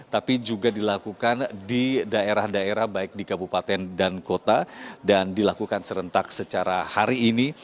tapi juga dilakukan di daerah daerah baik di kabupaten dan kota dan dilakukan serentak secara hari ini